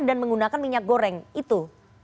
dan menggunakan minyak goreng itu